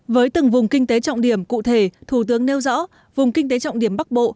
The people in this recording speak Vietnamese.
với từng vùng kinh tế trọng điểm cụ thể thủ tướng nêu rõ vùng kinh tế trọng điểm bắc bộ